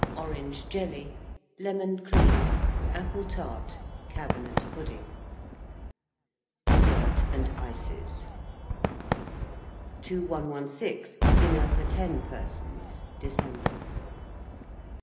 Orange Jelly. Lemon Cream. Apple Tart. Cabinet Pudding. DESSERT AND ICES. 2116. DINNER FOR 10 PERSONS (December).